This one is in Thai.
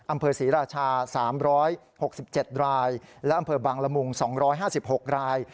อำเภอศรีราชา๓๖๗รายและอำเภอบางละมุง๒๕๖ราย